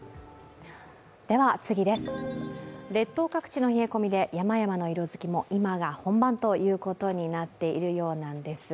列島各地の冷え込みで山々の色づきも今が本番ということになっているようなんです。